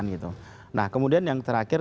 nah kemudian yang terakhir